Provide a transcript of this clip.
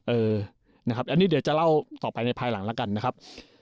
เออนะครับอันนี้เดี๋ยวจะเล่าต่อไปในภายหลังแล้วกันนะครับ